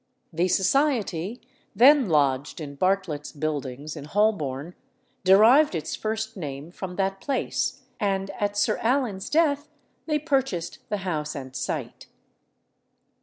The society, then lodged in Bartlett's Buildings, in Holborn, derived its first name from that place, and at Sir Alan's death they purchased the house and site.